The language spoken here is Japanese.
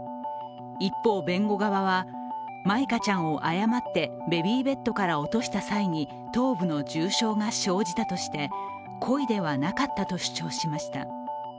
一方、弁護側は舞香ちゃんを誤ってベビーベッドから落とした際に頭部の重傷が生じたとして、故意ではなかったと主張しました。